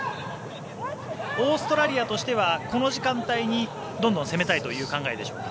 オーストラリアとしてはこの時間帯にどんどん攻めたいという考えでしょうか。